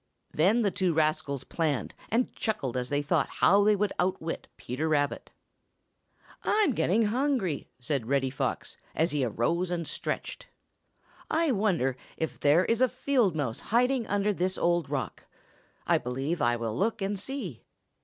Then the two rascals planned, and chuckled as they thought how they would outwit Peter Rabbit. "I'm getting hungry," said Reddy Fox, as he arose and stretched. "I wonder if there is a field mouse hiding under this old rock. I believe I'll look and see."